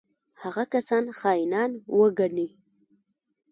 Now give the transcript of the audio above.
هغه کسان خاینان وګڼي.